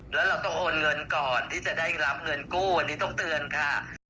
แล้วเราต้องโอนเงินก่อนที่จะได้รับเงินกู้อันนี้ต้องเตือนค่ะ